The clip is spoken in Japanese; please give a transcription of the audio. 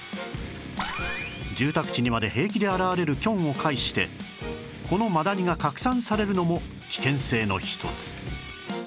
住宅地にまで平気で現れるキョンを介してこのマダニが拡散されるのも危険性の一つ